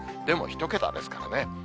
でも、１桁ですからね。